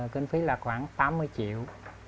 kinh phí là khoảng tám mươi triệu